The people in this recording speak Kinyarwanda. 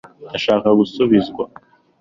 ndashaka gusubizwa